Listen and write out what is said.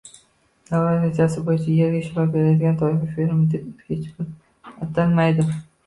— davlat rejasi bo‘yicha yerga ishlov beradigan toifa «fermer» deb hech bir yerda atalmaydi.